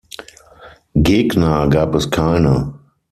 Gegner gab es keine.